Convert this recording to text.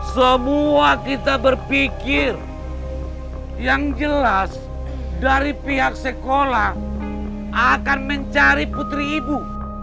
semua kita berpikir yang jelas dari pihak sekolah akan mencari putri ibu